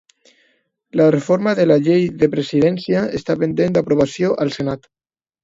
La reforma de la llei de presidència està pendent d'aprovació al Senat